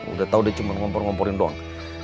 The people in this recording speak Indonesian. udah tau dia cuma ngompor ngomporin doang